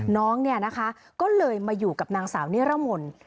น้องเนี่ยนะคะก็เลยมาอยู่กับนางสาวนิรมนต์